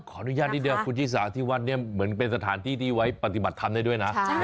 อนุญาตนิดเดียวคุณชิสาที่วัดนี้เหมือนเป็นสถานที่ที่ไว้ปฏิบัติธรรมได้ด้วยนะ